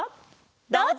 どうぞ！